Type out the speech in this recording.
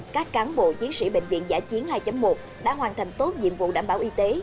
các cán bộ chiến sĩ bệnh viện giả chiến hai một đã hoàn thành tốt nhiệm vụ đảm bảo y tế